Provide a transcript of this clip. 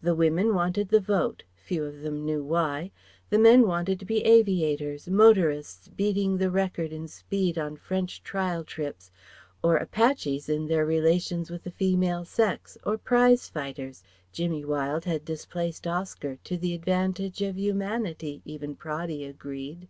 The women wanted the Vote few of them knew why the men wanted to be aviators, motorists beating the record in speed on French trial trips, or Apaches in their relations with the female sex or prize fighters Jimmy Wilde had displaced Oscar, to the advantage of humanity, even Praddy agreed.